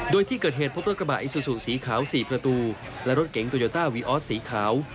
โดยที่เกิดเหตุพบรถกระบะอิซูซูสีขาว๔ประตูและรถเก๋งโตโยต้าวีออสสีขาว